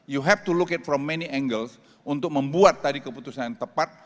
you have to look at from many angles untuk membuat tadi keputusan yang tepat